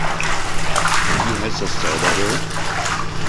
Wie heißt das Zauberwort?